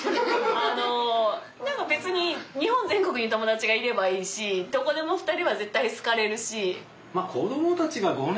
あの何か別に日本全国に友達がいればいいしどこでも２人は絶対好かれるし。